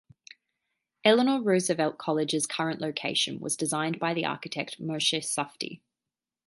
Eleanor Roosevelt College's current location was designed by the architect Moshe Safdie.